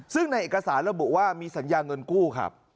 ซึ่งในเอกสารระบุว่ามีสัญญาเงินกู้ครับ